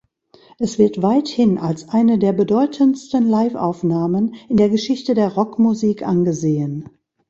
Es wird weithin als eine der bedeutendsten Liveaufnahmen in der Geschichte der Rockmusik angesehen.